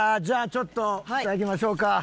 じゃあちょっと頂きましょうか。